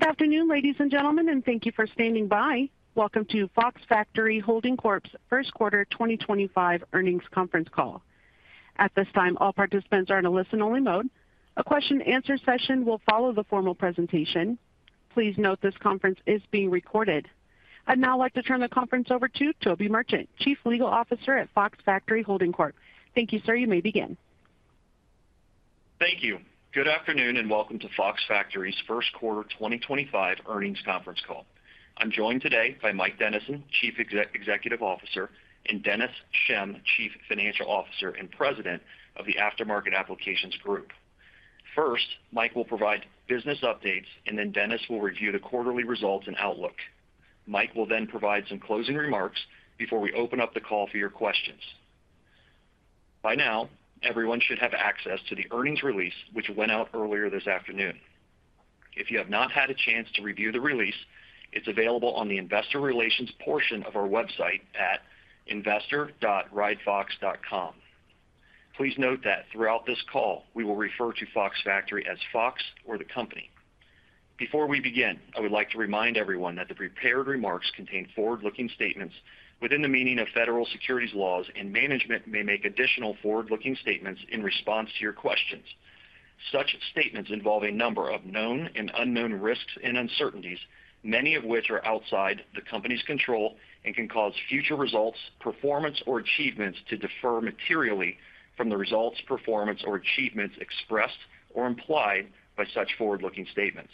Good afternoon, ladies and gentlemen, and thank you for standing by. Welcome to Fox Factory Holding Corp's first quarter 2025 earnings conference call. At this time, all participants are in a listen-only mode. A question-and-answer session will follow the formal presentation. Please note this conference is being recorded. I'd now like to turn the conference over to Toby Merchant, Chief Legal Officer at Fox Factory Holding Corp. Thank you, sir. You may begin. Thank you. Good afternoon and welcome to Fox Factory's first quarter 2025 earnings conference call. I'm joined today by Mike Dennison, Chief Executive Officer, and Dennis Schemm, Chief Financial Officer and President of the Aftermarket Applications Group. First, Mike will provide business updates, and then Dennis will review the quarterly results and outlook. Mike will then provide some closing remarks before we open up the call for your questions. By now, everyone should have access to the earnings release, which went out earlier this afternoon. If you have not had a chance to review the release, it's available on the investor relations portion of our website at investor.wrightfox.com. Please note that throughout this call, we will refer to Fox Factory as Fox or the Company. Before we begin, I would like to remind everyone that the prepared remarks contain forward-looking statements within the meaning of federal securities laws, and management may make additional forward-looking statements in response to your questions. Such statements involve a number of known and unknown risks and uncertainties, many of which are outside the company's control and can cause future results, performance, or achievements to differ materially from the results, performance, or achievements expressed or implied by such forward-looking statements.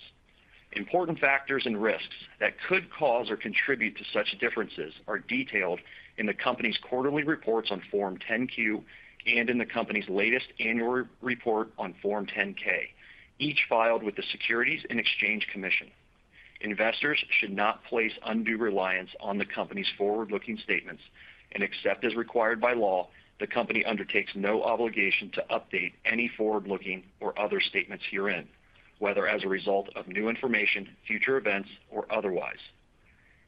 Important factors and risks that could cause or contribute to such differences are detailed in the company's quarterly reports on Form 10-Q and in the company's latest annual report on Form 10-K, each filed with the Securities and Exchange Commission. Investors should not place undue reliance on the company's forward-looking statements, and except as required by law, the company undertakes no obligation to update any forward-looking or other statements herein, whether as a result of new information, future events, or otherwise.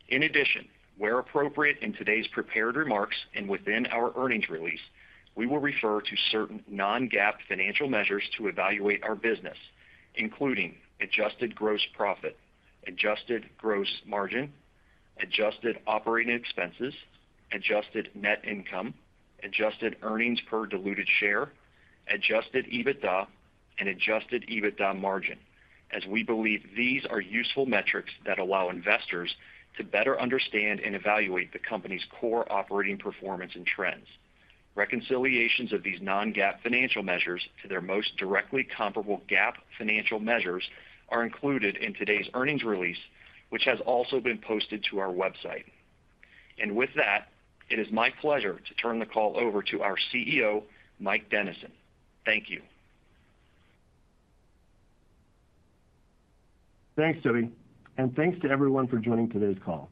In addition, where appropriate in today's prepared remarks and within our earnings release, we will refer to certain non-GAAP financial measures to evaluate our business, including adjusted gross profit, adjusted gross margin, adjusted operating expenses, adjusted net income, adjusted earnings per diluted share, adjusted EBITDA, and adjusted EBITDA margin, as we believe these are useful metrics that allow investors to better understand and evaluate the company's core operating performance and trends. Reconciliations of these non-GAAP financial measures to their most directly comparable GAAP financial measures are included in today's earnings release, which has also been posted to our website. With that, it is my pleasure to turn the call over to our CEO, Mike Dennison. Thank you. Thanks, Toby, and thanks to everyone for joining today's call.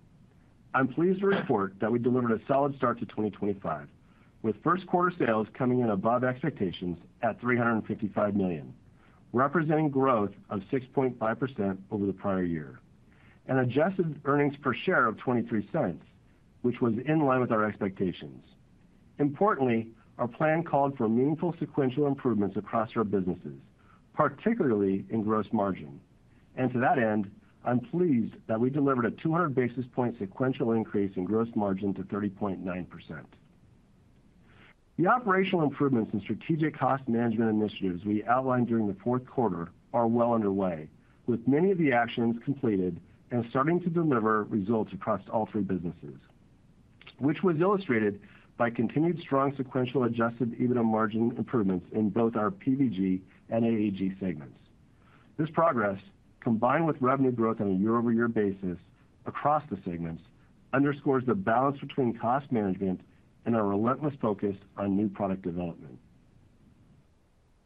I'm pleased to report that we delivered a solid start to 2025, with first quarter sales coming in above expectations at $355 million, representing growth of 6.5% over the prior year, and adjusted earnings per share of $0.23, which was in line with our expectations. Importantly, our plan called for meaningful sequential improvements across our businesses, particularly in gross margin. To that end, I'm pleased that we delivered a 200 basis point sequential increase in gross margin to 30.9%. The operational improvements and strategic cost management initiatives we outlined during the fourth quarter are well underway, with many of the actions completed and starting to deliver results across all three businesses, which was illustrated by continued strong sequential adjusted EBITDA margin improvements in both our PVG and AAG segments. This progress, combined with revenue growth on a year-over-year basis across the segments, underscores the balance between cost management and our relentless focus on new product development.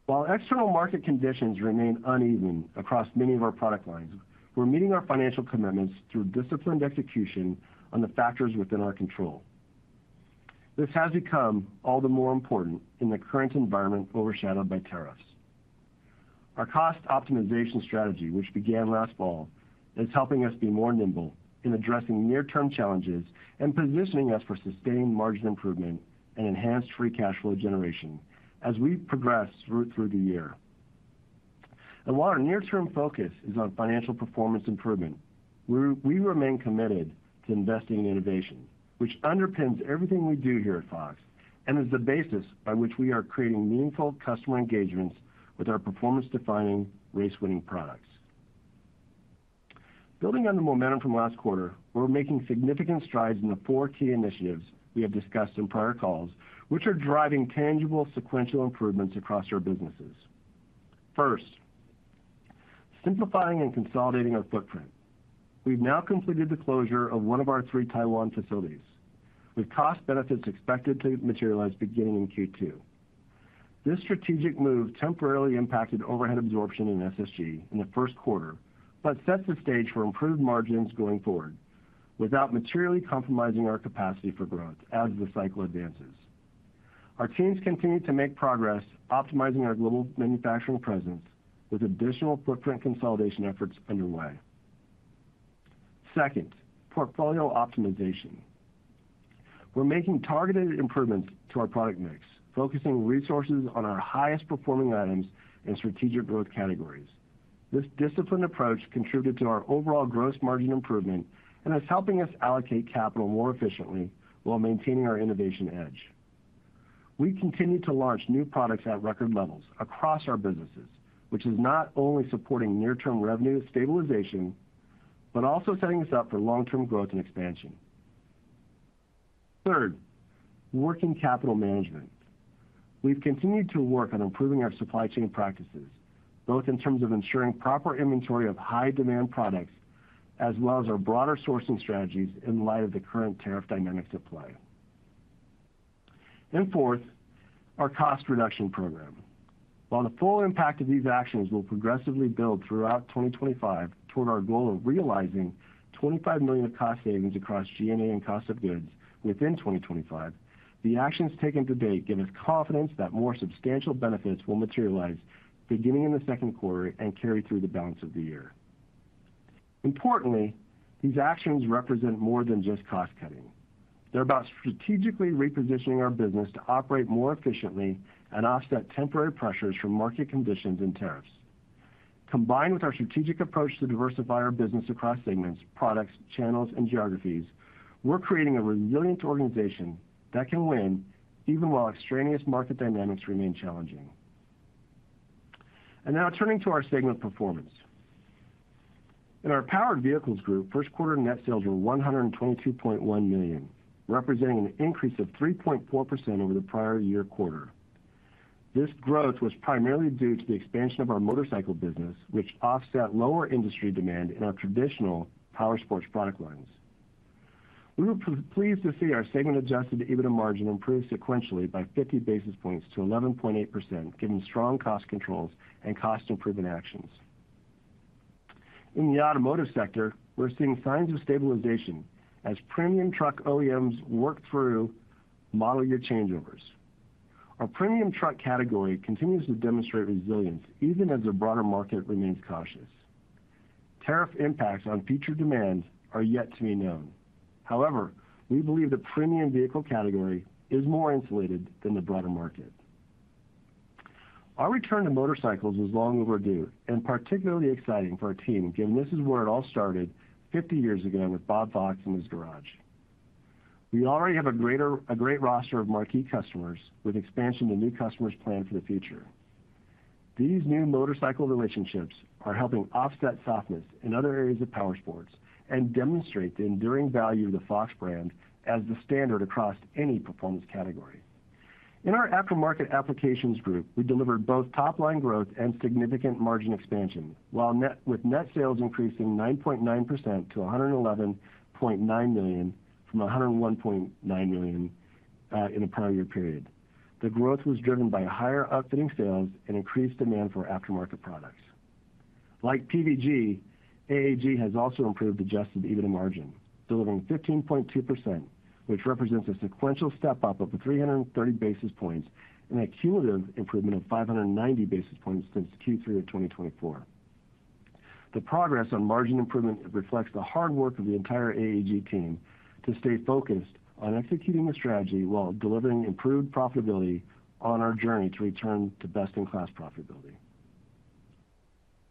While external market conditions remain uneven across many of our product lines, we're meeting our financial commitments through disciplined execution on the factors within our control. This has become all the more important in the current environment overshadowed by tariffs. Our cost optimization strategy, which began last fall, is helping us be more nimble in addressing near-term challenges and positioning us for sustained margin improvement and enhanced free cash flow generation as we progress through the year. While our near-term focus is on financial performance improvement, we remain committed to investing in innovation, which underpins everything we do here at Fox and is the basis by which we are creating meaningful customer engagements with our performance-defining race-winning products. Building on the momentum from last quarter, we're making significant strides in the four key initiatives we have discussed in prior calls, which are driving tangible sequential improvements across our businesses. First, simplifying and consolidating our footprint. We've now completed the closure of one of our three Taiwan facilities, with cost benefits expected to materialize beginning in Q2. This strategic move temporarily impacted overhead absorption in SSG in the first quarter but sets the stage for improved margins going forward without materially compromising our capacity for growth as the cycle advances. Our teams continue to make progress, optimizing our global manufacturing presence with additional footprint consolidation efforts underway. Second, portfolio optimization. We're making targeted improvements to our product mix, focusing resources on our highest-performing items and strategic growth categories. This disciplined approach contributed to our overall gross margin improvement and is helping us allocate capital more efficiently while maintaining our innovation edge. We continue to launch new products at record levels across our businesses, which is not only supporting near-term revenue stabilization but also setting us up for long-term growth and expansion. Third, working capital management. We have continued to work on improving our supply chain practices, both in terms of ensuring proper inventory of high-demand products as well as our broader sourcing strategies in light of the current tariff dynamics at play. Fourth, our cost reduction program. While the full impact of these actions will progressively build throughout 2025 toward our goal of realizing $25 million of cost savings across G&A and cost of goods within 2025, the actions taken today give us confidence that more substantial benefits will materialize beginning in the second quarter and carry through the balance of the year. Importantly, these actions represent more than just cost cutting. They're about strategically repositioning our business to operate more efficiently and offset temporary pressures from market conditions and tariffs. Combined with our strategic approach to diversify our business across segments, products, channels, and geographies, we're creating a resilient organization that can win even while extraneous market dynamics remain challenging. Now turning to our segment performance. In our powered vehicles group, first quarter net sales were $122.1 million, representing an increase of 3.4% over the prior year quarter. This growth was primarily due to the expansion of our motorcycle business, which offset lower industry demand in our traditional power sports product lines. We were pleased to see our segment-adjusted EBITDA margin improve sequentially by 50 basis points to 11.8%, given strong cost controls and cost-improvement actions. In the automotive sector, we're seeing signs of stabilization as premium truck OEMs work through model year changeovers. Our premium truck category continues to demonstrate resilience even as the broader market remains cautious. Tariff impacts on future demand are yet to be known. However, we believe the premium vehicle category is more insulated than the broader market. Our return to motorcycles was long overdue and particularly exciting for our team, given this is where it all started 50 years ago with Bob Fox in his garage. We already have a great roster of marquee customers with expansion to new customers planned for the future. These new motorcycle relationships are helping offset softness in other areas of power sports and demonstrate the enduring value of the Fox brand as the standard across any performance category. In our aftermarket applications group, we delivered both top-line growth and significant margin expansion with net sales increasing 9.9% to $111.9 million from $101.9 million in a prior year period. The growth was driven by higher outfitting sales and increased demand for aftermarket products. Like PVG, AAG has also improved adjusted EBITDA margin, delivering 15.2%, which represents a sequential step-up of 330 basis points and a cumulative improvement of 590 basis points since Q3 of 2024. The progress on margin improvement reflects the hard work of the entire AAG team to stay focused on executing the strategy while delivering improved profitability on our journey to return to best-in-class profitability.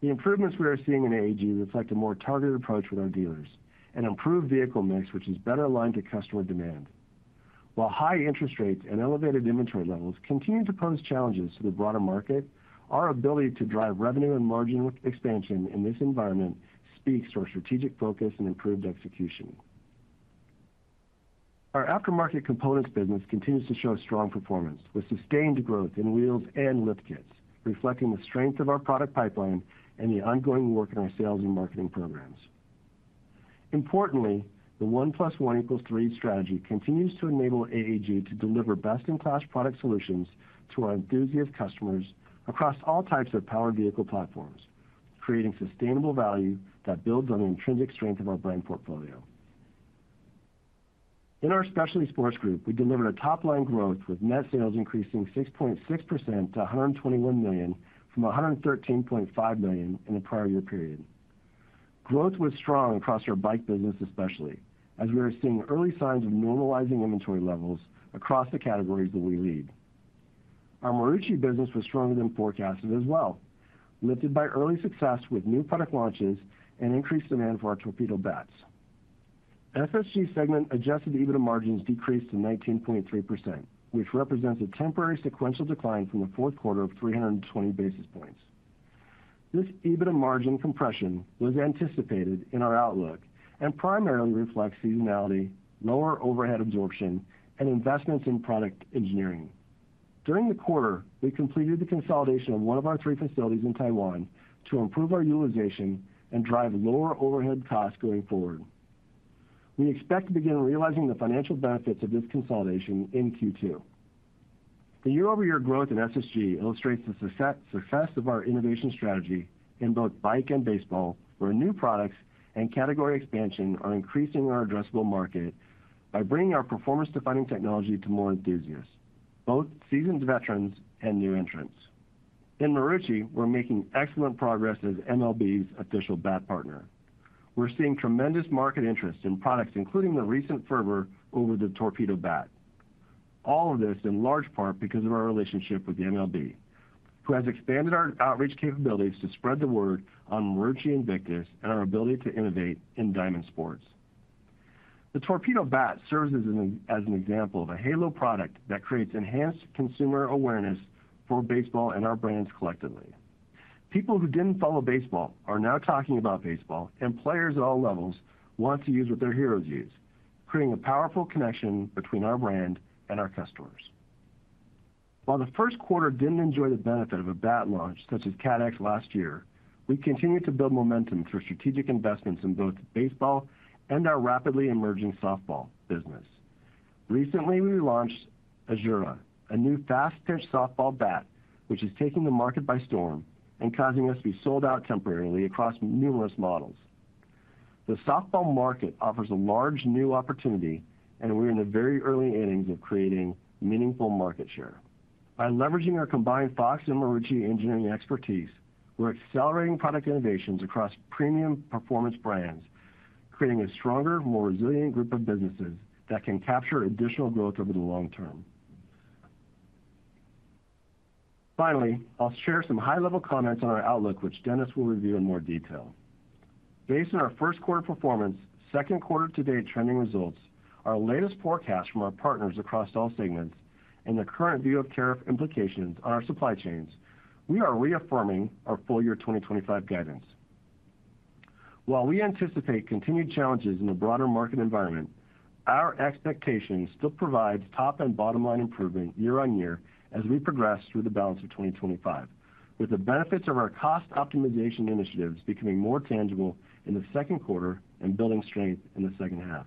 The improvements we are seeing in AAG reflect a more targeted approach with our dealers and improved vehicle mix, which is better aligned to customer demand. While high interest rates and elevated inventory levels continue to pose challenges to the broader market, our ability to drive revenue and margin expansion in this environment speaks to our strategic focus and improved execution. Our aftermarket components business continues to show strong performance with sustained growth in wheels and lift kits, reflecting the strength of our product pipeline and the ongoing work in our sales and marketing programs. Importantly, the one plus one equals three strategy continues to enable AAG to deliver best-in-class product solutions to our enthusiast customers across all types of powered vehicle platforms, creating sustainable value that builds on the intrinsic strength of our brand portfolio. In our Specialty Sports Group, we delivered a top-line growth with net sales increasing 6.6% to $121 million from $113.5 million in the prior year period. Growth was strong across our bike business, especially as we were seeing early signs of normalizing inventory levels across the categories that we lead. Our Marucci business was stronger than forecasted as well, lifted by early success with new product launches and increased demand for our torpedo bats. SSG segment-adjusted EBITDA margins decreased to 19.3%, which represents a temporary sequential decline from the fourth quarter of 320 basis points. This EBITDA margin compression was anticipated in our outlook and primarily reflects seasonality, lower overhead absorption, and investments in product engineering. During the quarter, we completed the consolidation of one of our three facilities in Taiwan to improve our utilization and drive lower overhead costs going forward. We expect to begin realizing the financial benefits of this consolidation in Q2. The year-over-year growth in SSG illustrates the success of our innovation strategy in both bike and baseball, where new products and category expansion are increasing our addressable market by bringing our performance-defining technology to more enthusiasts, both seasoned veterans and new entrants. In Marucci, we're making excellent progress as MLB's official bat partner. We're seeing tremendous market interest in products, including the recent fervor over the torpedo bat. All of this is in large part because of our relationship with MLB, who has expanded our outreach capabilities to spread the word on Marucci Invictus and our ability to innovate in diamond sports. The torpedo bat serves as an example of a halo product that creates enhanced consumer awareness for baseball and our brands collectively. People who did not follow baseball are now talking about baseball, and players at all levels want to use what their heroes use, creating a powerful connection between our brand and our customers. While the first quarter did not enjoy the benefit of a bat launch such as CADX last year, we continue to build momentum through strategic investments in both baseball and our rapidly emerging softball business. Recently, we launched Azura, a new fast-pitched softball bat, which is taking the market by storm and causing us to be sold out temporarily across numerous models. The softball market offers a large new opportunity, and we're in the very early innings of creating meaningful market share. By leveraging our combined Fox and Marucci engineering expertise, we're accelerating product innovations across premium performance brands, creating a stronger, more resilient group of businesses that can capture additional growth over the long term. Finally, I'll share some high-level comments on our outlook, which Dennis will review in more detail. Based on our first quarter performance, second quarter-to-date trending results, our latest forecast from our partners across all segments, and the current view of tariff implications on our supply chains, we are reaffirming our full year 2025 guidance. While we anticipate continued challenges in the broader market environment, our expectation still provides top and bottom-line improvement year-on-year as we progress through the balance of 2025, with the benefits of our cost optimization initiatives becoming more tangible in the second quarter and building strength in the second half.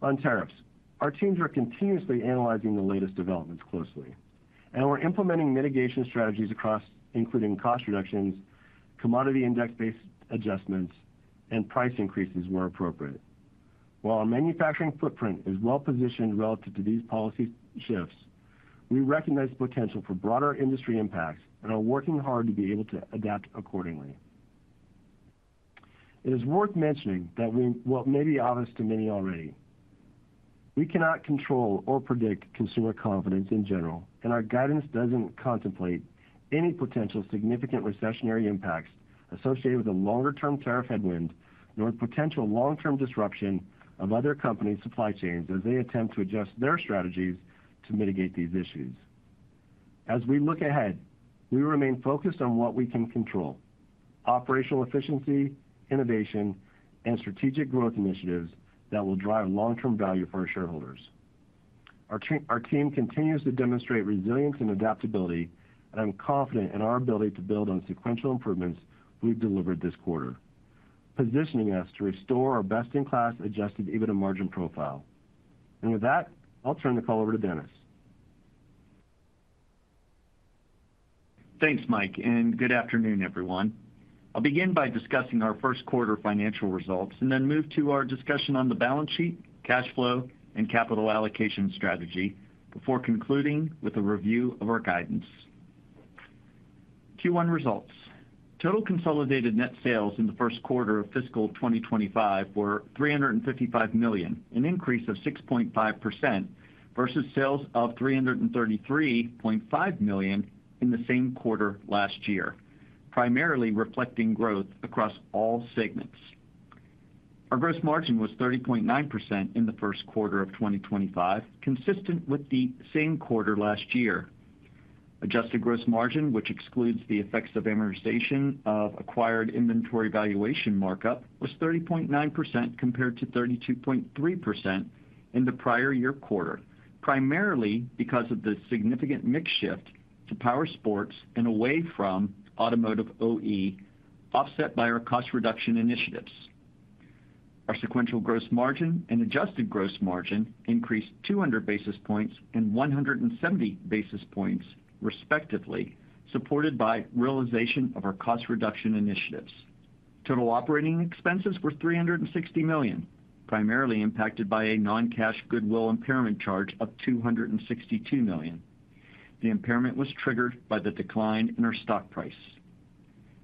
On tariffs, our teams are continuously analyzing the latest developments closely, and we're implementing mitigation strategies across, including cost reductions, commodity index-based adjustments, and price increases where appropriate. While our manufacturing footprint is well-positioned relative to these policy shifts, we recognize the potential for broader industry impacts and are working hard to be able to adapt accordingly. It is worth mentioning that what may be obvious to many already, we cannot control or predict consumer confidence in general, and our guidance does not contemplate any potential significant recessionary impacts associated with a longer-term tariff headwind nor potential long-term disruption of other companies' supply chains as they attempt to adjust their strategies to mitigate these issues. As we look ahead, we remain focused on what we can control: operational efficiency, innovation, and strategic growth initiatives that will drive long-term value for our shareholders. Our team continues to demonstrate resilience and adaptability, and I am confident in our ability to build on sequential improvements we have delivered this quarter, positioning us to restore our best-in-class adjusted EBITDA margin profile. With that, I will turn the call over to Dennis. Thanks, Mike, and good afternoon, everyone. I'll begin by discussing our first quarter financial results and then move to our discussion on the balance sheet, cash flow, and capital allocation strategy before concluding with a review of our guidance. Q1 results. Total consolidated net sales in the first quarter of fiscal 2025 were $355 million, an increase of 6.5% versus sales of $333.5 million in the same quarter last year, primarily reflecting growth across all segments. Our gross margin was 30.9% in the first quarter of 2025, consistent with the same quarter last year. Adjusted gross margin, which excludes the effects of amortization of acquired inventory valuation markup, was 30.9% compared to 32.3% in the prior year quarter, primarily because of the significant mix shift to power sports and away from automotive OE, offset by our cost reduction initiatives. Our sequential gross margin and adjusted gross margin increased 200 basis points and 170 basis points, respectively, supported by realization of our cost reduction initiatives. Total operating expenses were $360 million, primarily impacted by a non-cash goodwill impairment charge of $262 million. The impairment was triggered by the decline in our stock price.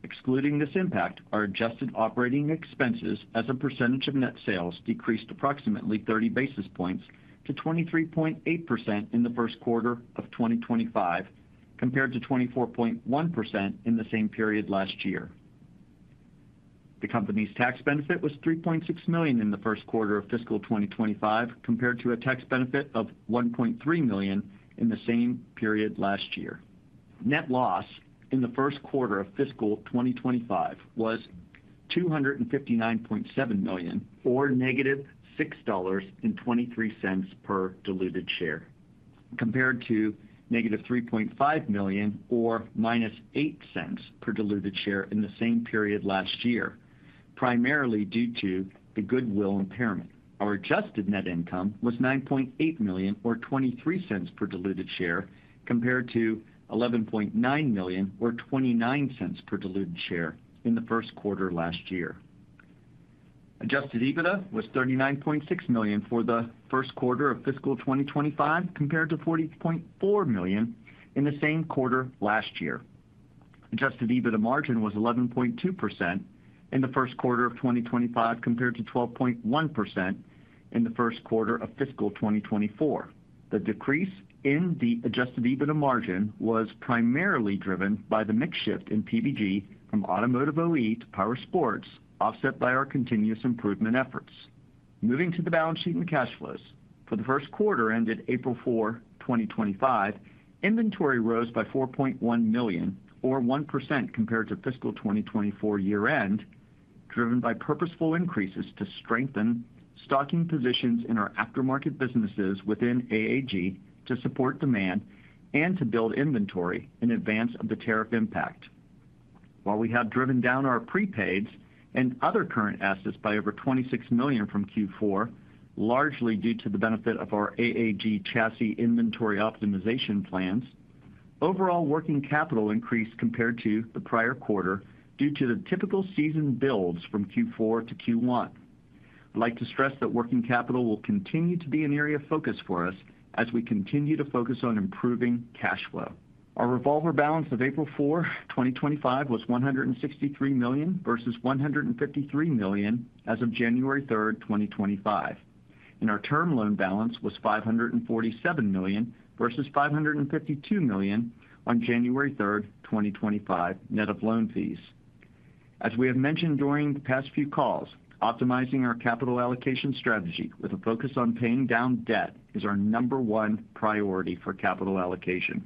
Excluding this impact, our adjusted operating expenses as a percentage of net sales decreased approximately 30 basis points to 23.8% in the first quarter of 2025, compared to 24.1% in the same period last year. The company's tax benefit was $3.6 million in the first quarter of fiscal 2025, compared to a tax benefit of $1.3 million in the same period last year. Net loss in the first quarter of fiscal 2025 was $259.7 million, or negative $6.23 per diluted share, compared to negative $3.5 million, or minus $0.08 per diluted share in the same period last year, primarily due to the goodwill impairment. Our adjusted net income was $9.8 million, or $0.23 per diluted share, compared to $11.9 million, or $0.29 per diluted share in the first quarter last year. Adjusted EBITDA was $39.6 million for the first quarter of fiscal 2025, compared to $40.4 million in the same quarter last year. Adjusted EBITDA margin was 11.2% in the first quarter of 2025, compared to 12.1% in the first quarter of fiscal 2024. The decrease in the adjusted EBITDA margin was primarily driven by the mix shift in PVG from automotive OE to power sports, offset by our continuous improvement efforts. Moving to the balance sheet and cash flows. For the first quarter ended April 4, 2025, inventory rose by $4.1 million, or 1% compared to fiscal 2024 year-end, driven by purposeful increases to strengthen stocking positions in our aftermarket businesses within AAG to support demand and to build inventory in advance of the tariff impact. While we have driven down our prepaids and other current assets by over $26 million from Q4, largely due to the benefit of our AAG chassis inventory optimization plans, overall working capital increased compared to the prior quarter due to the typical season builds from Q4 to Q1. I'd like to stress that working capital will continue to be an area of focus for us as we continue to focus on improving cash flow. Our revolver balance as of April 4, 2025, was $163 million versus $153 million as of January 3, 2025. Our term loan balance was $547 million versus $552 million on January 3, 2025, net of loan fees. As we have mentioned during the past few calls, optimizing our capital allocation strategy with a focus on paying down debt is our number one priority for capital allocation.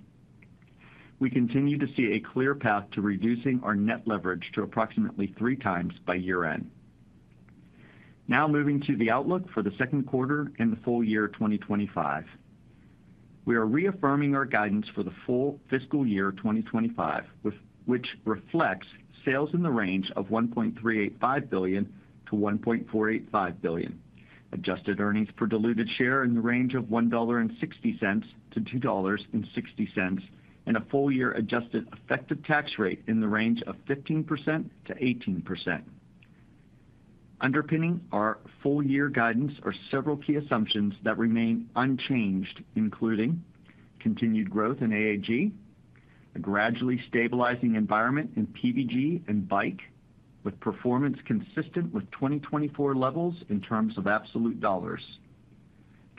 We continue to see a clear path to reducing our net leverage to approximately three times by year-end. Now moving to the outlook for the second quarter and the full year 2025. We are reaffirming our guidance for the full fiscal year 2025, which reflects sales in the range of $1.385 billion-$1.485 billion, adjusted earnings per diluted share in the range of $1.60-$2.60, and a full year adjusted effective tax rate in the range of 15%-18%. Underpinning our full year guidance are several key assumptions that remain unchanged, including continued growth in AAG, a gradually stabilizing environment in PVG and bike, with performance consistent with 2024 levels in terms of absolute dollars,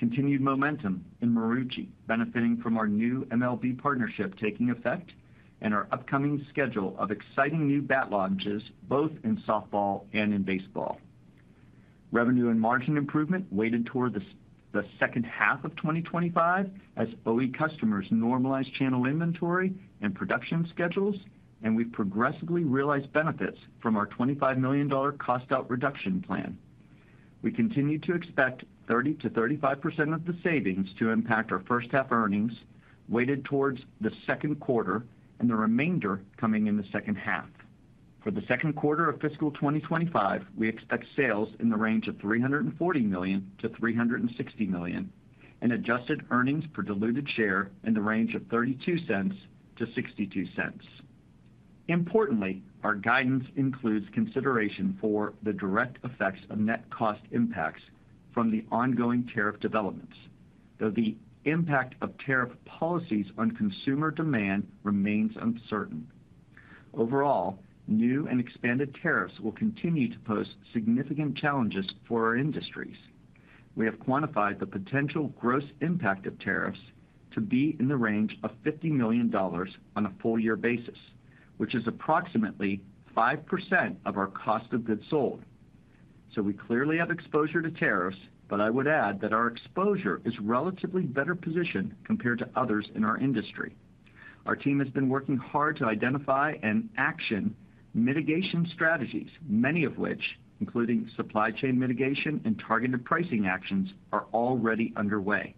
continued momentum in Marucci benefiting from our new MLB partnership taking effect, and our upcoming schedule of exciting new bat launches both in softball and in baseball. Revenue and margin improvement weighted toward the second half of 2025 as OE customers normalize channel inventory and production schedules, and we have progressively realized benefits from our $25 million cost-out reduction plan. We continue to expect 30%-35% of the savings to impact our first-half earnings weighted towards the second quarter and the remainder coming in the second half. For the second quarter of fiscal 2025, we expect sales in the range of $340 million-$360 million, and adjusted earnings per diluted share in the range of $0.32-$0.62. Importantly, our guidance includes consideration for the direct effects of net cost impacts from the ongoing tariff developments, though the impact of tariff policies on consumer demand remains uncertain. Overall, new and expanded tariffs will continue to pose significant challenges for our industries. We have quantified the potential gross impact of tariffs to be in the range of $50 million on a full year basis, which is approximately 5% of our cost of goods sold. So we clearly have exposure to tariffs, but I would add that our exposure is relatively better positioned compared to others in our industry. Our team has been working hard to identify and action mitigation strategies, many of which, including supply chain mitigation and targeted pricing actions, are already underway.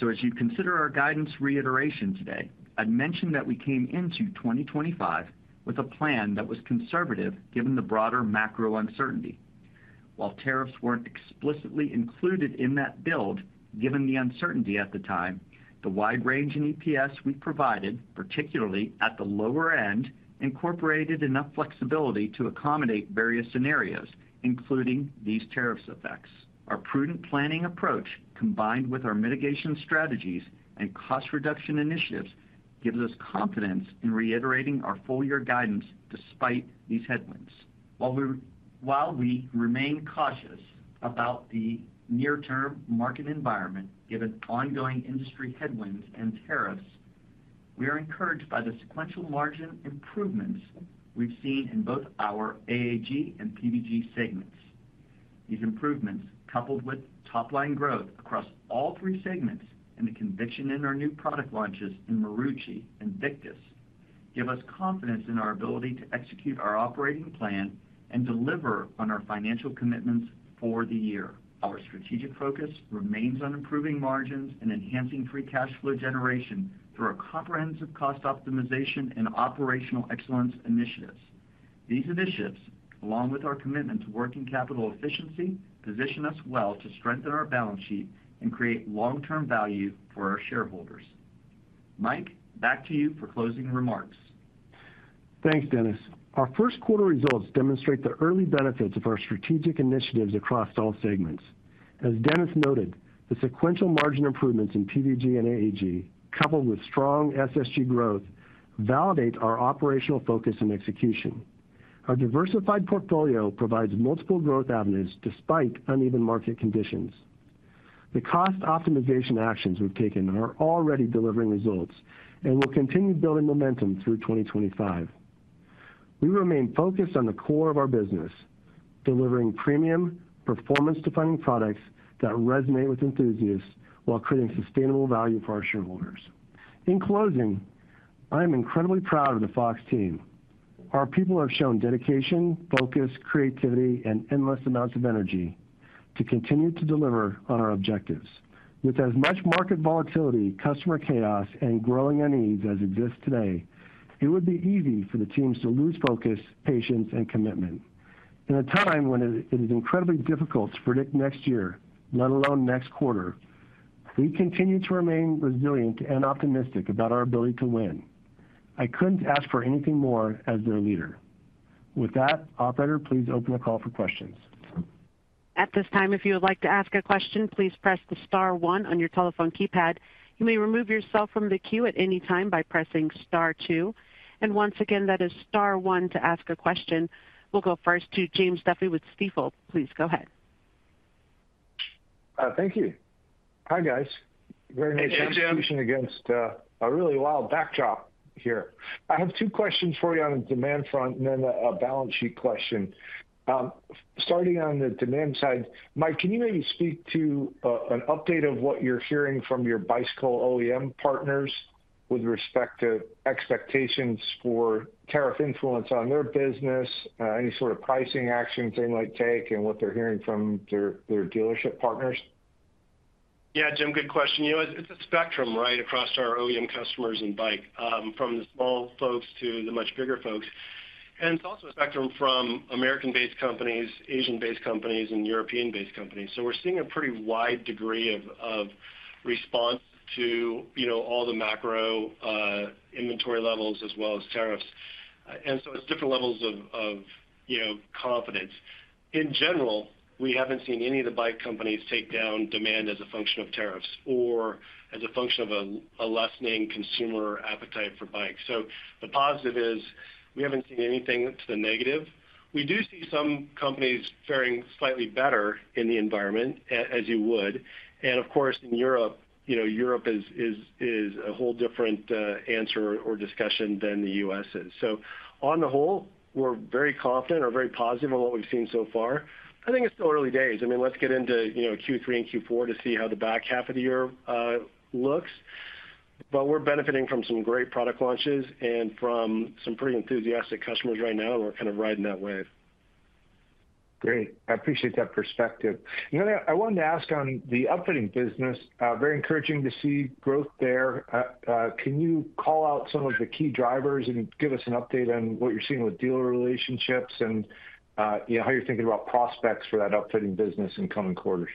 As you consider our guidance reiteration today, I'd mention that we came into 2025 with a plan that was conservative given the broader macro uncertainty. While tariffs were not explicitly included in that build, given the uncertainty at the time, the wide range in EPS we provided, particularly at the lower end, incorporated enough flexibility to accommodate various scenarios, including these tariff effects. Our prudent planning approach, combined with our mitigation strategies and cost reduction initiatives, gives us confidence in reiterating our full year guidance despite these headwinds. While we remain cautious about the near-term market environment given ongoing industry headwinds and tariffs, we are encouraged by the sequential margin improvements we've seen in both our AAG and PVG segments. These improvements, coupled with top-line growth across all three segments and the conviction in our new product launches in Marucci and Victus, give us confidence in our ability to execute our operating plan and deliver on our financial commitments for the year. Our strategic focus remains on improving margins and enhancing free cash flow generation through our comprehensive cost optimization and operational excellence initiatives. These initiatives, along with our commitment to working capital efficiency, position us well to strengthen our balance sheet and create long-term value for our shareholders. Mike, back to you for closing remarks. Thanks, Dennis. Our first quarter results demonstrate the early benefits of our strategic initiatives across all segments. As Dennis noted, the sequential margin improvements in PVG and AAG, coupled with strong SSG growth, validate our operational focus and execution. Our diversified portfolio provides multiple growth avenues despite uneven market conditions. The cost optimization actions we've taken are already delivering results and will continue building momentum through 2025. We remain focused on the core of our business, delivering premium, performance-defining products that resonate with enthusiasts while creating sustainable value for our shareholders. In closing, I am incredibly proud of the Fox team. Our people have shown dedication, focus, creativity, and endless amounts of energy to continue to deliver on our objectives. With as much market volatility, customer chaos, and growing unease as exists today, it would be easy for the teams to lose focus, patience, and commitment. In a time when it is incredibly difficult to predict next year, let alone next quarter, we continue to remain resilient and optimistic about our ability to win. I couldn't ask for anything more as their leader. With that, I'll please open the call for questions. At this time, if you would like to ask a question, please press the star one on your telephone keypad. You may remove yourself from the queue at any time by pressing star two. Once again, that is star one to ask a question. We'll go first to Jim Duffy with Stifel. Please go ahead. Thank you. Hi, guys. Very nice conversation against a really wild backdrop here. I have two questions for you on the demand front and then a balance sheet question. Starting on the demand side, Mike, can you maybe speak to an update of what you're hearing from your bicycle OEM partners with respect to expectations for tariff influence on their business, any sort of pricing actions they might take, and what they're hearing from their dealership partners? Yeah, Jim, good question. It's a spectrum right across our OEM customers and bike, from the small folks to the much bigger folks. It's also a spectrum from American-based companies, Asian-based companies, and European-based companies. We're seeing a pretty wide degree of response to all the macro inventory levels as well as tariffs. It's different levels of confidence. In general, we haven't seen any of the bike companies take down demand as a function of tariffs or as a function of a lessening consumer appetite for bikes. The positive is we haven't seen anything to the negative. We do see some companies faring slightly better in the environment, as you would. Of course, in Europe, Europe is a whole different answer or discussion than the U.S. is. On the whole, we're very confident or very positive on what we've seen so far. I think it's still early days. I mean, let's get into Q3 and Q4 to see how the back half of the year looks. We are benefiting from some great product launches and from some pretty enthusiastic customers right now, and we're kind of riding that wave. Great. I appreciate that perspective. I wanted to ask on the upcoming business, very encouraging to see growth there. Can you call out some of the key drivers and give us an update on what you're seeing with dealer relationships and how you're thinking about prospects for that upcoming business in coming quarters?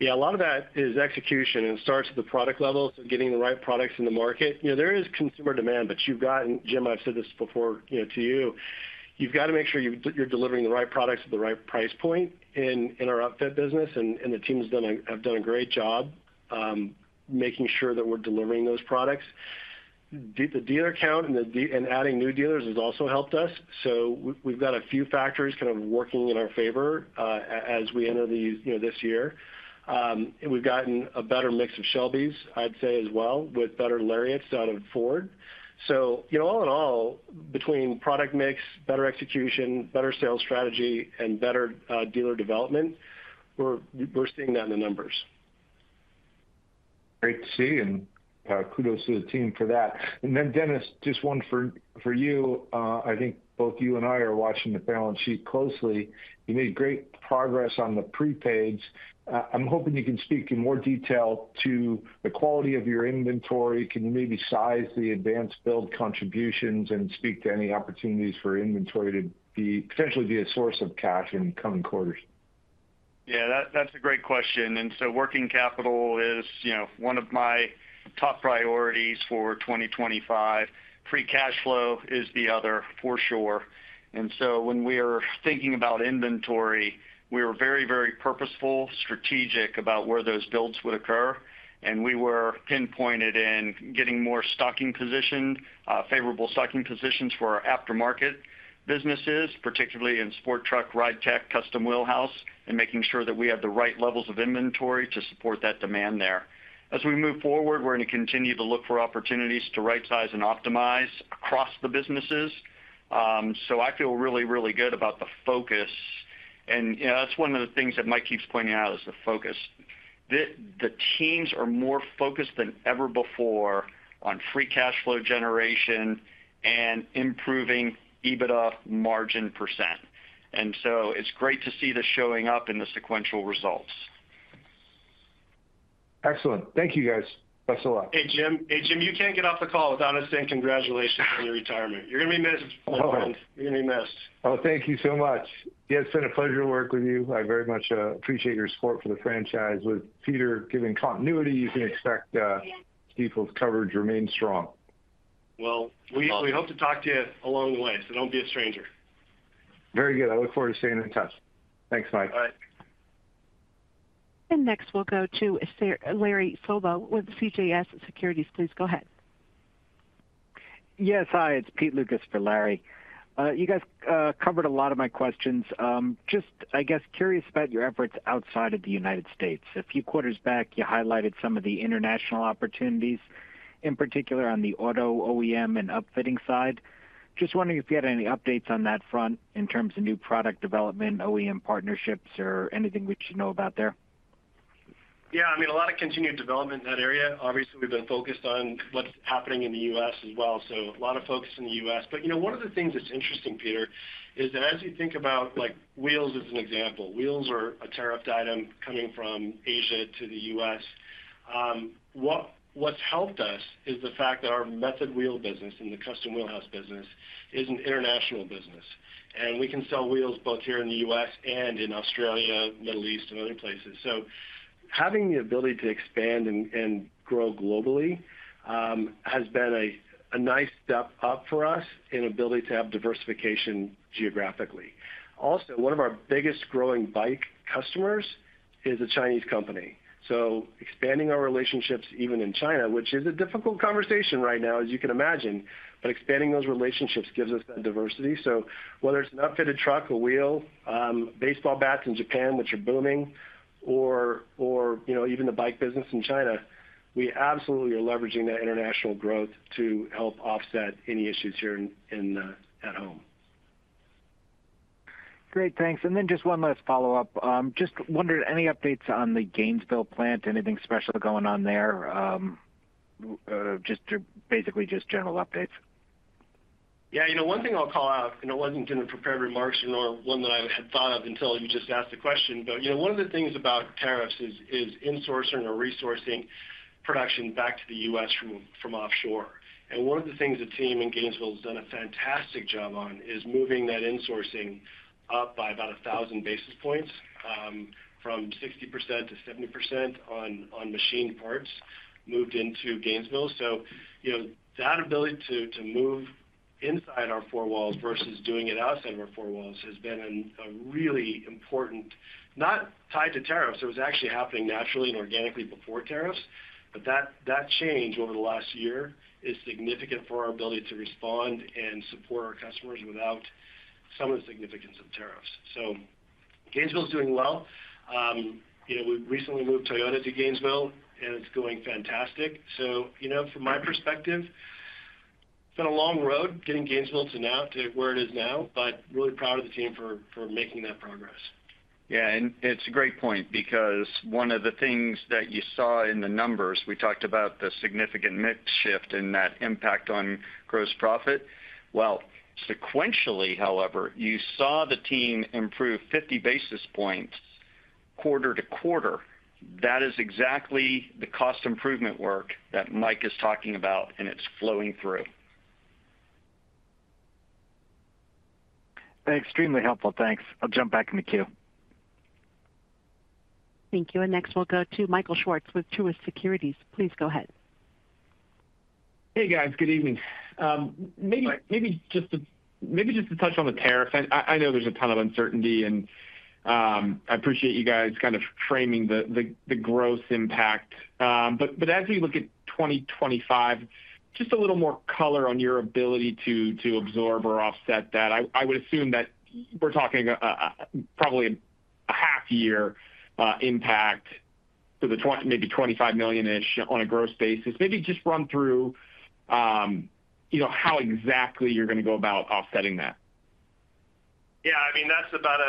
Yeah, a lot of that is execution and starts at the product level, so getting the right products in the market. There is consumer demand, but you've got, and Jim, I've said this before to you, you've got to make sure you're delivering the right products at the right price point in our upfit business. The teams have done a great job making sure that we're delivering those products. The dealer count and adding new dealers has also helped us. We've got a few factors kind of working in our favor as we enter this year. We've gotten a better mix of Shelbys, I'd say, as well, with better Lariats out of Ford. All in all, between product mix, better execution, better sales strategy, and better dealer development, we're seeing that in the numbers. Great to see, and kudos to the team for that. Dennis, just one for you. I think both you and I are watching the balance sheet closely. You made great progress on the prepaids. I'm hoping you can speak in more detail to the quality of your inventory. Can you maybe size the advanced build contributions and speak to any opportunities for inventory to potentially be a source of cash in coming quarters? Yeah, that's a great question. Working capital is one of my top priorities for 2025. Free cash flow is the other, for sure. When we are thinking about inventory, we were very, very purposeful, strategic about where those builds would occur. We were pinpointed in getting more stocking positions, favorable stocking positions for our aftermarket businesses, particularly in sport truck, ride tech, custom wheelhouse, and making sure that we have the right levels of inventory to support that demand there. As we move forward, we're going to continue to look for opportunities to right-size and optimize across the businesses. I feel really, really good about the focus. That is one of the things that Mike keeps pointing out, the focus. The teams are more focused than ever before on free cash flow generation and improving EBITDA margin %. It is great to see this showing up in the sequential results. Excellent. Thank you, guys. Thanks a lot. Hey, Jim, you cannot get off the call without us saying congratulations on your retirement. You are going to be missed, my friend. You are going to be missed. Oh, thank you so much. Yeah, it has been a pleasure to work with you. I very much appreciate your support for the franchise. With Peter giving continuity, you can expect Steve's coverage to remain strong. We hope to talk to you along the way, so do not be a stranger. Very good. I look forward to staying in touch. Thanks, Mike. All right. Next, we'll go to Larry Sobo with CJS Securities. Please go ahead. Yes, hi. It's Pete Lucas for Larry. You guys covered a lot of my questions. Just, I guess, curious about your efforts outside of the United States. A few quarters back, you highlighted some of the international opportunities, in particular on the auto OEM and upfitting side. Just wondering if you had any updates on that front in terms of new product development, OEM partnerships, or anything we should know about there. Yeah, I mean, a lot of continued development in that area. Obviously, we've been focused on what's happening in the U.S. as well. A lot of focus in the U.S. One of the things that's interesting, Peter, is that as you think about wheels as an example, wheels are a tariffed item coming from Asia to the U.S. What's helped us is the fact that our Method wheel business and the custom wheelhouse business is an international business. We can sell wheels both here in the U.S. and in Australia, Middle East, and other places. Having the ability to expand and grow globally has been a nice step up for us in ability to have diversification geographically. Also, one of our biggest growing bike customers is a Chinese company. Expanding our relationships even in China, which is a difficult conversation right now, as you can imagine, but expanding those relationships gives us that diversity. Whether it's an upfitted truck or wheel, baseball bats in Japan, which are booming, or even the bike business in China, we absolutely are leveraging that international growth to help offset any issues here at home. Great, thanks. And then just one last follow-up. Just wondered, any updates on the Gainesville plant, anything special going on there? Just basically just general updates. Yeah, one thing I'll call out, and it was not in the prepared remarks or one that I had thought of until you just asked the question, but one of the things about tariffs is insourcing or resourcing production back to the U.S. from offshore. One of the things the team in Gainesville has done a fantastic job on is moving that insourcing up by about 1,000 basis points from 60%-70% on machine parts moved into Gainesville. That ability to move inside our four walls versus doing it outside of our four walls has been really important, not tied to tariffs. It was actually happening naturally and organically before tariffs, but that change over the last year is significant for our ability to respond and support our customers without some of the significance of tariffs. Gainesville is doing well. We recently moved Toyota to Gainesville, and it's going fantastic. From my perspective, it's been a long road getting Gainesville to where it is now, but really proud of the team for making that progress. Yeah, it's a great point because one of the things that you saw in the numbers, we talked about the significant mix shift and that impact on gross profit. Sequentially, however, you saw the team improve 50 basis points quarter to quarter. That is exactly the cost improvement work that Mike is talking about, and it's flowing through. Extremely helpful, thanks. I'll jump back in the queue. Thank you. Next, we'll go to Michael Schwartz with Truist Securities. Please go ahead. Hey, guys, good evening. Maybe just to touch on the tariffs, I know there's a ton of uncertainty, and I appreciate you guys kind of framing the gross impact. As we look at 2025, just a little more color on your ability to absorb or offset that. I would assume that we're talking probably a half-year impact to the maybe $25 million-ish on a gross basis. Maybe just run through how exactly you're going to go about offsetting that. Yeah, I mean, that's about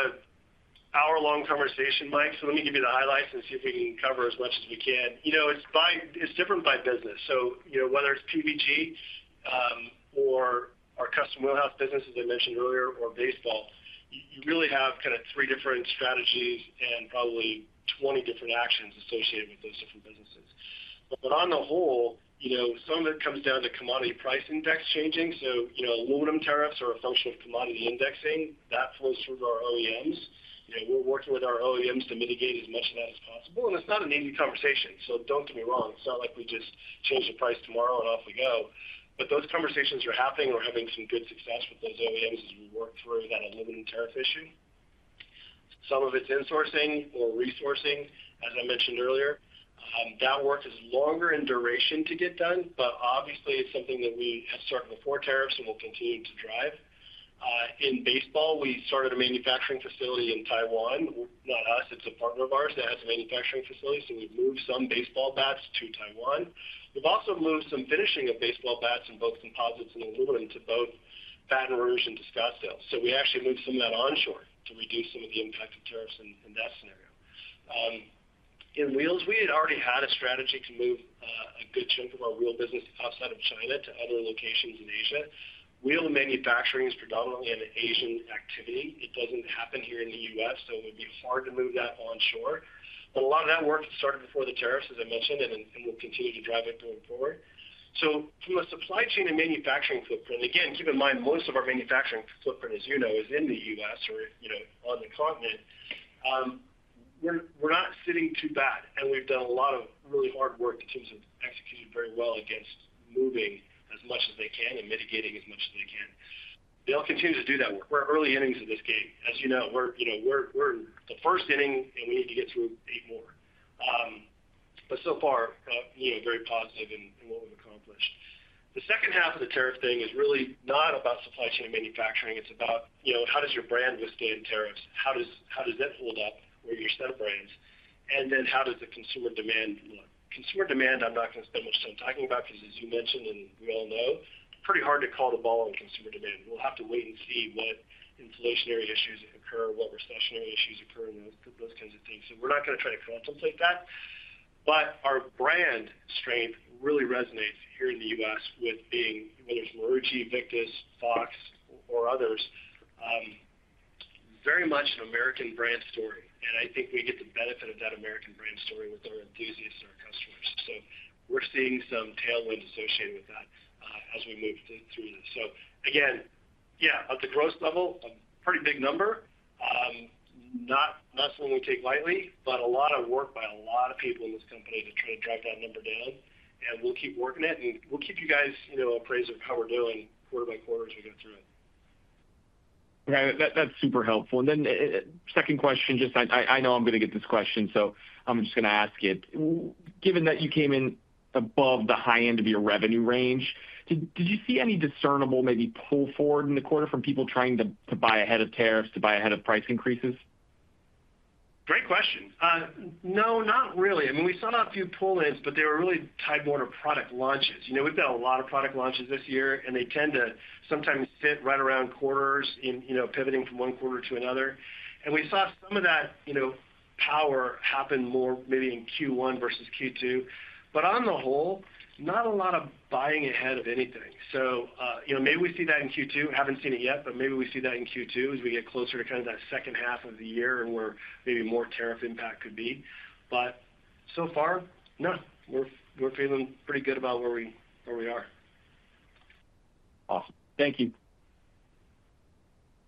an hour-long conversation, Mike. Let me give you the highlights and see if we can cover as much as we can. It's different by business. Whether it is PBG or our custom wheelhouse business, as I mentioned earlier, or baseball, you really have kind of three different strategies and probably 20 different actions associated with those different businesses. On the whole, some of it comes down to commodity price index changing. Aluminum tariffs are a function of commodity indexing. That flows through our OEMs. We are working with our OEMs to mitigate as much of that as possible. It is not an easy conversation. Do not get me wrong. It is not like we just change the price tomorrow and off we go. Those conversations are happening. We are having some good success with those OEMs as we work through that aluminum tariff issue. Some of it is insourcing or resourcing, as I mentioned earlier. That work is longer in duration to get done, but obviously, it's something that we have started before tariffs and will continue to drive. In baseball, we started a manufacturing facility in Taiwan. Not us, it's a partner of ours that has a manufacturing facility. So we've moved some baseball bats to Taiwan. We've also moved some finishing of baseball bats and both composites and aluminum to both Baton Rouge and Scottsdale. We actually moved some of that onshore to reduce some of the impact of tariffs in that scenario. In wheels, we had already had a strategy to move a good chunk of our wheel business outside of China to other locations in Asia. Wheel manufacturing is predominantly an Asian activity. It doesn't happen here in the U.S., so it would be hard to move that onshore. A lot of that work started before the tariffs, as I mentioned, and we will continue to drive it going forward. From a supply chain and manufacturing footprint, again, keep in mind, most of our manufacturing footprint, as you know, is in the US or on the continent. We are not sitting too bad, and we have done a lot of really hard work in terms of executing very well against moving as much as they can and mitigating as much as they can. They will continue to do that work. We are early innings of this game. As you know, we are the first inning, and we need to get through eight more. So far, very positive in what we have accomplished. The second half of the tariff thing is really not about supply chain and manufacturing. It is about how does your brand withstand tariffs? How does that hold up where your set of brands? And then how does the consumer demand look? Consumer demand, I'm not going to spend much time talking about because, as you mentioned, and we all know, it's pretty hard to call the ball on consumer demand. We'll have to wait and see what inflationary issues occur, what recessionary issues occur, and those kinds of things. We're not going to try to contemplate that. Our brand strength really resonates here in the U.S. with being whether it's Marucci, Victus, Fox, or others, very much an American brand story. I think we get the benefit of that American brand story with our enthusiasts and our customers. We're seeing some tailwind associated with that as we move through this. Again, at the gross level, a pretty big number, not something we take lightly, but a lot of work by a lot of people in this company to try to drive that number down. We will keep working at it, and we will keep you guys appraised of how we are doing quarter by quarter as we go through it. Right. That is super helpful. Second question, just I know I am going to get this question, so I am just going to ask it. Given that you came in above the high end of your revenue range, did you see any discernible maybe pull forward in the quarter from people trying to buy ahead of tariffs, to buy ahead of price increases? Great question. No, not really. I mean, we saw a few pull-ins, but they were really tied more to product launches. We've got a lot of product launches this year, and they tend to sometimes sit right around quarters, pivoting from one quarter to another. We saw some of that power happen more maybe in Q1 versus Q2. On the whole, not a lot of buying ahead of anything. Maybe we see that in Q2. Haven't seen it yet, but maybe we see that in Q2 as we get closer to kind of that second half of the year and where maybe more tariff impact could be. So far, no. We're feeling pretty good about where we are. Awesome. Thank you.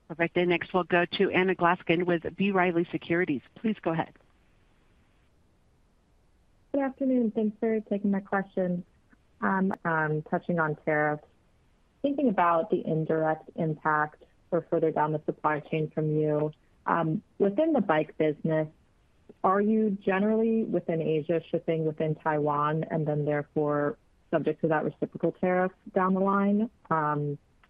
Perfect. Next, we'll go to Anna Glaessgen with B. Riley Securities. Please go ahead. Good afternoon. Thanks for taking my question. Touching on tariffs, thinking about the indirect impact or further down the supply chain from you, within the bike business, are you generally within Asia shipping within Taiwan and then therefore subject to that reciprocal tariff down the line?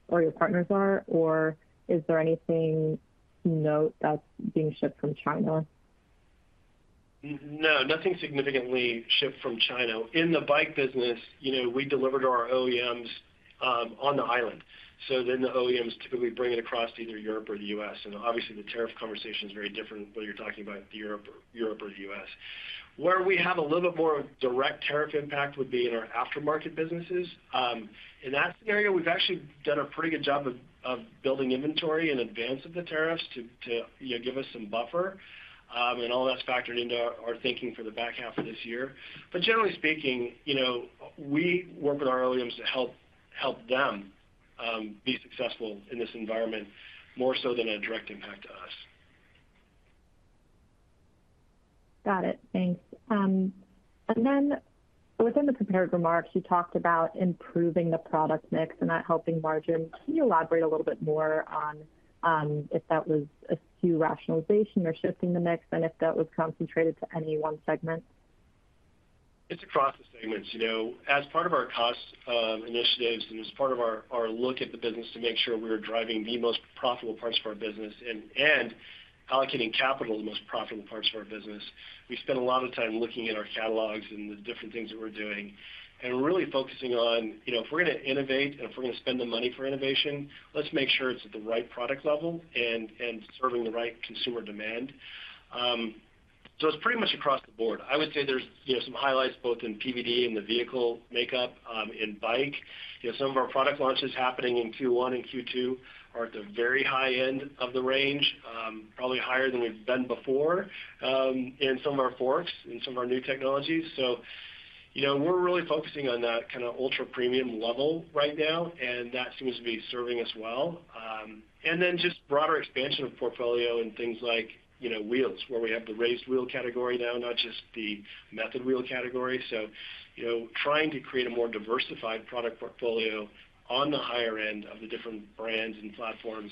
Or your partners are? Or is there anything that's being shipped from China? No, nothing significantly shipped from China. In the bike business, we deliver to our OEMs on the island. The OEMs typically bring it across to either Europe or the U.S. Obviously, the tariff conversation is very different when you're talking about Europe or the U.S. Where we have a little bit more direct tariff impact would be in our aftermarket businesses. In that scenario, we've actually done a pretty good job of building inventory in advance of the tariffs to give us some buffer. All that's factored into our thinking for the back half of this year. Generally speaking, we work with our OEMs to help them be successful in this environment more so than a direct impact to us. Got it. Thanks. Within the prepared remarks, you talked about improving the product mix and that helping margin. Can you elaborate a little bit more on if that was a skew rationalization or shifting the mix and if that was concentrated to any one segment? It's across the segments. As part of our cost initiatives and as part of our look at the business to make sure we're driving the most profitable parts of our business and allocating capital to the most profitable parts of our business, we spend a lot of time looking at our catalogs and the different things that we're doing and really focusing on if we're going to innovate and if we're going to spend the money for innovation, let's make sure it's at the right product level and serving the right consumer demand. It's pretty much across the board. I would say there's some highlights both in PVG and the vehicle makeup in bike. Some of our product launches happening in Q1 and Q2 are at the very high end of the range, probably higher than we've been before in some of our forks and some of our new technologies. So we're really focusing on that kind of ultra-premium level right now, and that seems to be serving us well. And then just broader expansion of portfolio and things like wheels, where we have the raised wheel category now, not just the Method wheel category. So trying to create a more diversified product portfolio on the higher end of the different brands and platforms,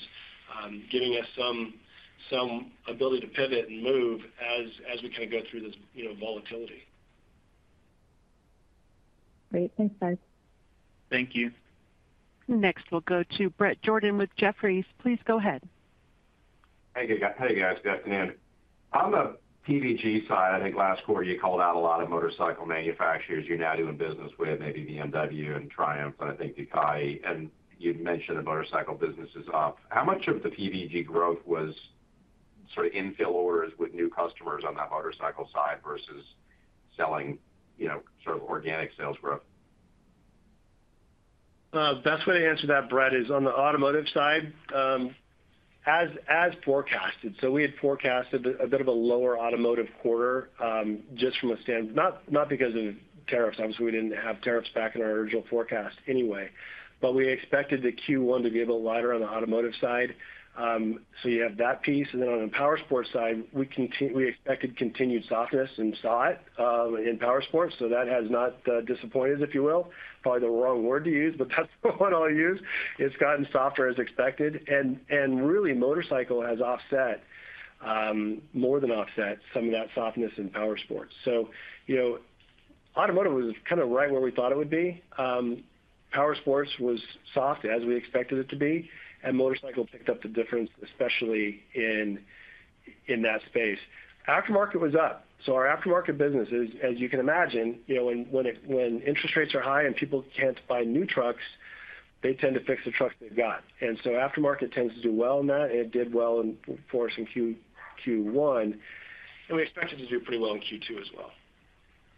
giving us some ability to pivot and move as we kind of go through this volatility. Great. Thanks, guys. Thank you. Next, we'll go to Bret Jordan with Jefferies. Please go ahead. Hey, guys. Good afternoon. On the PVG side, I think last quarter, you called out a lot of motorcycle manufacturers you're now doing business with, maybe BMW and Triumph and I think Ducati. And you'd mentioned the motorcycle business is up. How much of the PVG growth was sort of infill orders with new customers on that motorcycle side versus selling sort of organic sales growth? The best way to answer that, Bret, is on the automotive side, as forecasted. We had forecasted a bit of a lower automotive quarter just from a stand, not because of tariffs. Obviously, we did not have tariffs back in our original forecast anyway. We expected the Q1 to be a bit lighter on the automotive side. You have that piece. On the power sports side, we expected continued softness and saw it in power sports. That has not disappointed, if you will. Probably the wrong word to use, but that is the one I will use. It has gotten softer as expected. Really, motorcycle has offset, more than offset, some of that softness in power sports. Automotive was kind of right where we thought it would be. Power sports was soft as we expected it to be. Motorcycle picked up the difference, especially in that space. Aftermarket was up. Our aftermarket business, as you can imagine, when interest rates are high and people can't buy new trucks, they tend to fix the trucks they've got. Aftermarket tends to do well in that, and it did well for some Q1. We expect it to do pretty well in Q2 as well.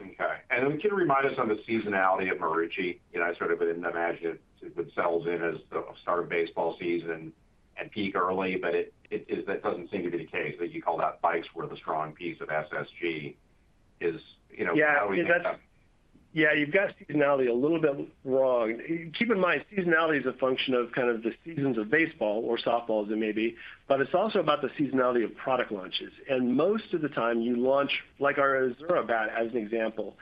Okay. Can you remind us on the seasonality of Marucci? I sort of didn't imagine it would sell in as the start of baseball season and peak early, but that doesn't seem to be the case. You call that bikes were the strong piece of SSG. How do we get that? Yeah, you've got seasonality a little bit wrong. Keep in mind, seasonality is a function of kind of the seasons of baseball or softball, as it may be. It is also about the seasonality of product launches. Most of the time, you launch like our Azura bat, as an example,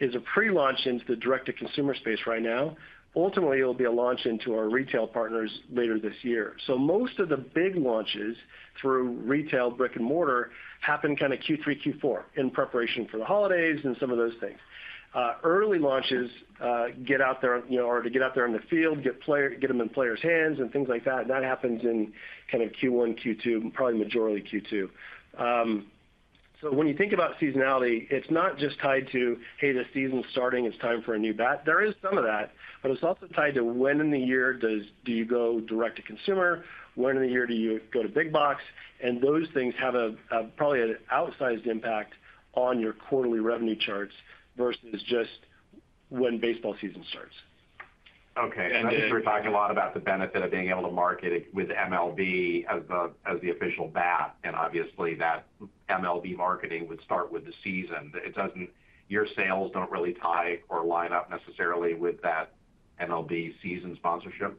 as a pre-launch into the direct-to-consumer space right now. Ultimately, it will be a launch into our retail partners later this year. Most of the big launches through retail, brick and mortar happen kind of Q3, Q4 in preparation for the holidays and some of those things. Early launches get out there or to get out there in the field, get them in players' hands and things like that. That happens in kind of Q1, Q2, probably majority Q2. When you think about seasonality, it is not just tied to, "Hey, the season's starting. It's time for a new bat." There is some of that, but it's also tied to when in the year do you go direct-to-consumer? When in the year do you go to big box? Those things have probably an outsized impact on your quarterly revenue charts versus just when baseball season starts. Okay. I think we're talking a lot about the benefit of being able to market it with MLB as the official bat. Obviously, that MLB marketing would start with the season. Your sales don't really tie or line up necessarily with that MLB season sponsorship?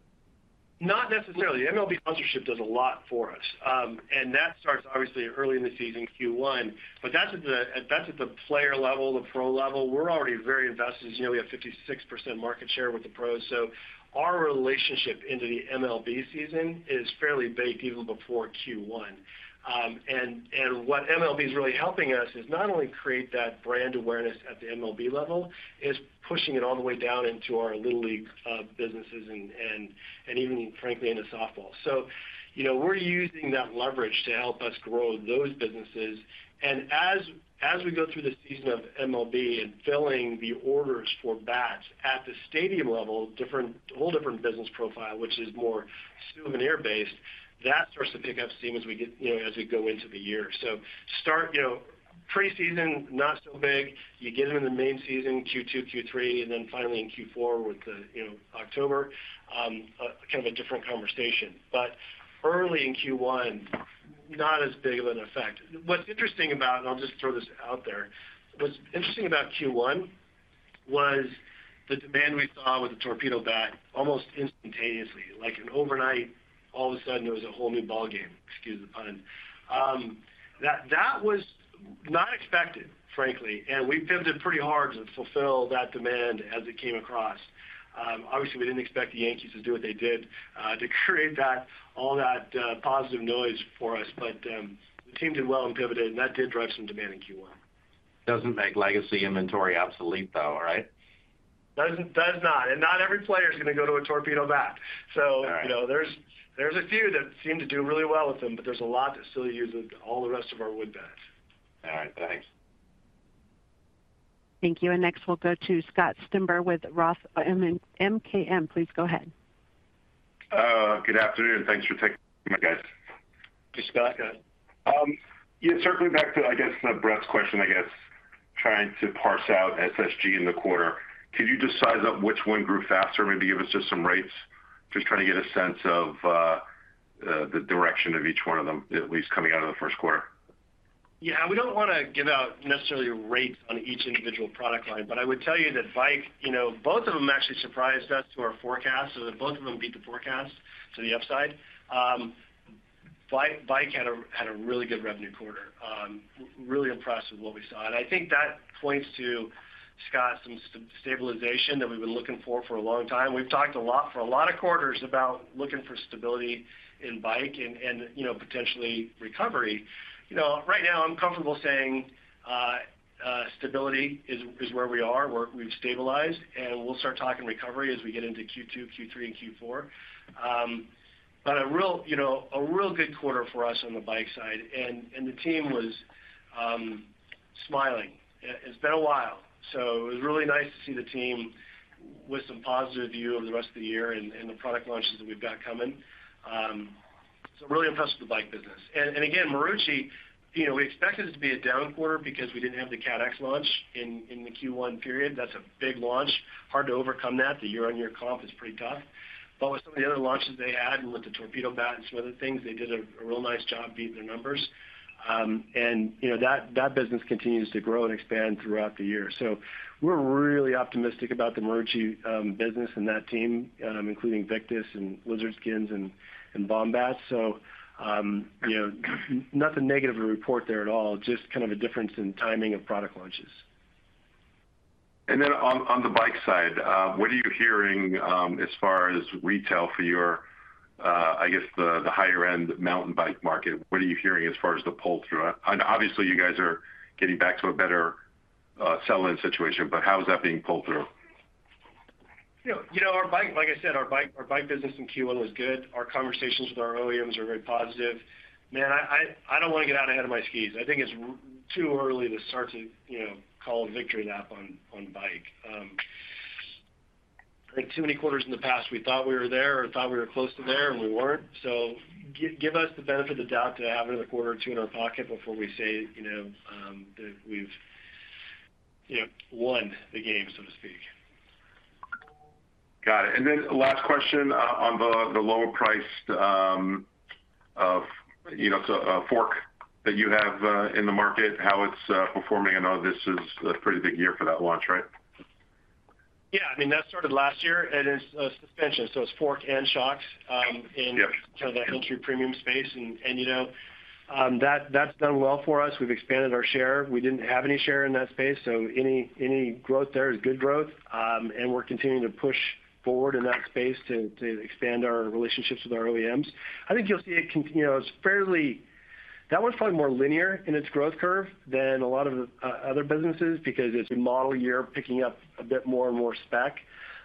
Not necessarily. MLB sponsorship does a lot for us. That starts obviously early in the season, Q1. That's at the player level, the pro level. We're already very invested. We have 56% market share with the pros. Our relationship into the MLB season is fairly baked even before Q1. What MLB is really helping us with is not only creating that brand awareness at the MLB level, it is pushing it all the way down into our little league businesses and even, frankly, into softball. We are using that leverage to help us grow those businesses. As we go through the season of MLB and fill the orders for bats at the stadium level, a whole different business profile, which is more souvenir-based, starts to pick up steam as we go into the year. Pre-season, not so big. You get them in the main season, Q2, Q3, and then finally in Q4 with October, kind of a different conversation. Early in Q1, not as big of an effect. What's interesting about, and I'll just throw this out there, what's interesting about Q1 was the demand we saw with the torpedo bat almost instantaneously. Like an overnight, all of a sudden, it was a whole new ball game, excuse the pun. That was not expected, frankly. And we pivoted pretty hard to fulfill that demand as it came across. Obviously, we didn't expect the Yankees to do what they did to create all that positive noise for us. But the team did well and pivoted, and that did drive some demand in Q1. Doesn't make legacy inventory obsolete, though, right? Does not. And not every player is going to go to a torpedo bat. So there's a few that seem to do really well with them, but there's a lot that still uses all the rest of our wood bats. All right. Thanks. Thank you. Next, we'll go to Scott Stember with ROTH MKM. Please go ahead. Good afternoon. Thanks for taking my question. Just Scott. Yeah, circling back to, I guess, Bret's question, I guess, trying to parse out SSG in the quarter. Can you just size up which one grew faster? Maybe give us just some rates, just trying to get a sense of the direction of each one of them, at least coming out of the first quarter. Yeah. We don't want to give out necessarily rates on each individual product line, but I would tell you that bike, both of them actually surprised us to our forecast. Both of them beat the forecast to the upside. Bike had a really good revenue quarter. Really impressed with what we saw. I think that points to, Scott, some stabilization that we've been looking for for a long time. We've talked a lot for a lot of quarters about looking for stability in bike and potentially recovery. Right now, I'm comfortable saying stability is where we are. We've stabilized. We'll start talking recovery as we get into Q2, Q3, and Q4. A real good quarter for us on the bike side. The team was smiling. It's been a while. It was really nice to see the team with some positive view of the rest of the year and the product launches that we've got coming. Really impressed with the bike business. Again, Marucci, we expected it to be a down quarter because we didn't have the CADX launch in the Q1 period. That's a big launch. Hard to overcome that. The year-on-year comp is pretty tough. With some of the other launches they had and with the torpedo bat and some other things, they did a real nice job beating their numbers. That business continues to grow and expand throughout the year. We are really optimistic about the Marucci business and that team, including Victus and Lizard Skins and Bombat. Nothing negative to report there at all, just kind of a difference in timing of product launches. On the bike side, what are you hearing as far as retail for your, I guess, the higher-end mountain bike market? What are you hearing as far as the pull-through? Obviously, you guys are getting back to a better sell-in situation, but how is that being pulled through? Like I said, our bike business in Q1 was good. Our conversations with our OEMs are very positive. Man, I do not want to get out ahead of my skis. I think it is too early to start to call a victory lap on bike. Too many quarters in the past, we thought we were there or thought we were close to there and we were not. Give us the benefit of the doubt to have another quarter or two in our pocket before we say that we have won the game, so to speak. Got it. Last question on the lower price of fork that you have in the market, how it is performing. I know this is a pretty big year for that launch, right? Yeah. I mean, that started last year. It is suspension. It is fork and shocks in kind of that entry premium space. That has done well for us. We have expanded our share. We did not have any share in that space. Any growth there is good growth. We are continuing to push forward in that space to expand our relationships with our OEMs. I think you will see that one is probably more linear in its growth curve than a lot of other businesses because it is a model year picking up a bit more and more spec.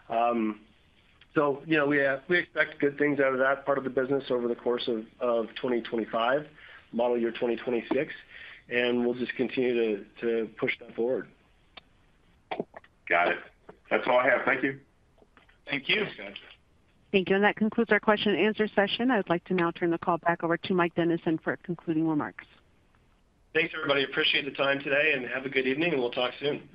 We expect good things out of that part of the business over the course of 2025, model year 2026. We will just continue to push that forward. Got it. That is all I have. Thank you. Thank you. Thank you. That concludes our question-and-answer session. I would like to now turn the call back over to Mike Dennison for concluding remarks. Thanks, everybody. Appreciate the time today. Have a good evening, and we will talk soon.